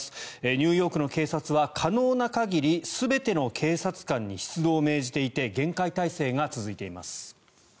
ニューヨークの警察は可能な限り全ての警察官に出動を命じていて厳戒態勢が続いています。